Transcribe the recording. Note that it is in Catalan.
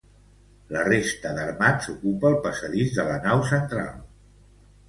La resta d'armats ocupa el passadís de la nau central.